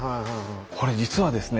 これ実はですね